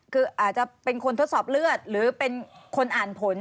คืออาจจะเป็นคนทดสอบเลือดหรือเป็นคนอ่านผล